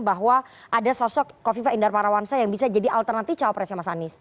bahwa ada sosok kofi fahim darwara wansa yang bisa jadi alternatif cowok presnya mas anies